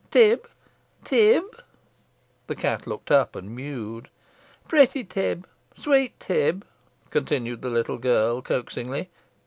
"Tib Tib!" The cat looked up, and mewed. "Protty Tib sweet Tib," continued the little girl, coaxingly.